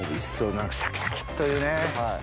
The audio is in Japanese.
何かシャキシャキっというね。